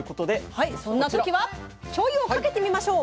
はいそんな時はしょうゆをかけてみましょう。